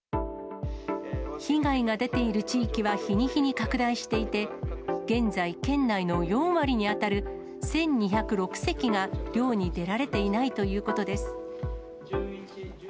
被害が出ている地域は日に日に拡大していて、現在、県内の４割に当たる１２０６隻が漁に出られていないということです。